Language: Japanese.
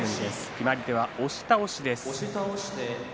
決まり手は押し倒しです。